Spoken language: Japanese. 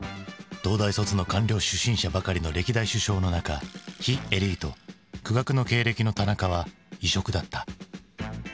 東大卒の官僚出身者ばかりの歴代首相の中非エリート苦学の経歴の田中は異色だった。